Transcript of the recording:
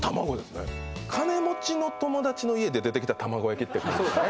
金持ちの友達の家で出てきた卵焼きって感じですね